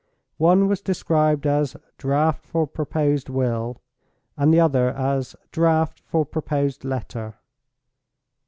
One was described as "Draft for proposed Will," and the other as "Draft for proposed Letter."